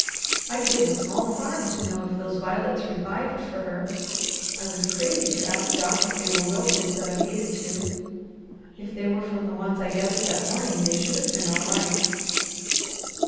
I'd give a small farm to know if those violets revived for her. I was crazy to ask Doc if they were wilted, but I hated to. If they were from the ones I gathered that morning they should have been all right."